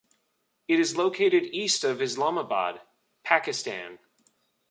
It is located east of Islamabad, Pakistan.